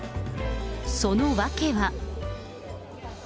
その訳は。